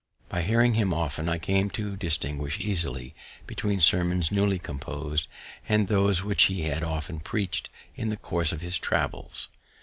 By hearing him often, I came to distinguish easily between sermons newly compos'd, and those which he had often preach'd in the course of his travels.